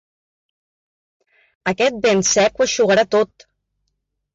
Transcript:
Aquest vent sec ho eixugarà tot!